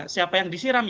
siapa yang disiram